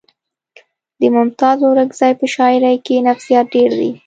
د ممتاز اورکزي په شاعرۍ کې نفسیات ډېر دي